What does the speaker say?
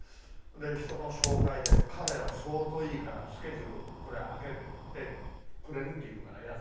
人の紹介で彼は相当いいからスケジュールこれ空けてくれるって言うから矢沢